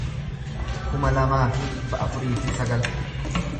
kuma lamaa fi dhibba afurii fi sagal